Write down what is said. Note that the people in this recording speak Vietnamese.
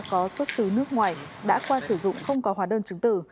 có xuất xứ nước ngoài đã qua sử dụng không có hóa đơn chứng tử